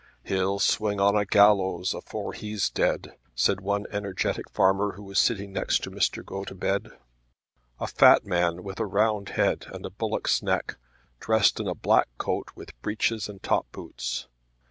"He'll swing on a gallows afore he's dead," said one energetic farmer who was sitting next to Mr. Gotobed, a fat man with a round head, and a bullock's neck, dressed in a black coat with breeches and top boots.